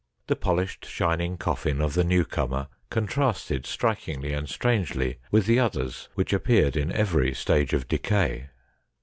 The polished shining coffin of the new comer contrasted strikingly and strangely with the others, which appeared in every stage of decay.